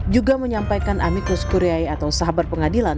juga menyampaikan amikus kuryai atau sahabat pengadilan